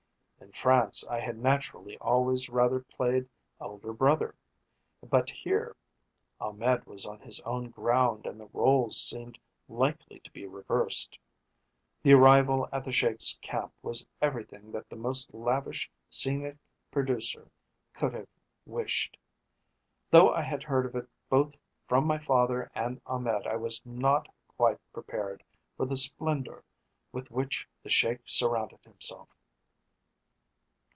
In France I had naturally always rather played elder brother, but here Ahmed was on his own ground and the roles seemed likely to be reversed. The arrival at the Sheik's camp was everything that the most lavish scenic producer could have wished. Though I had heard of it both from my father and Ahmed I was not quite prepared for the splendour with which the Sheik surrounded himself.